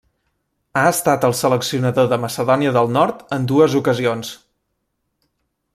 Ha estat el seleccionador de Macedònia del Nord en dues ocasions.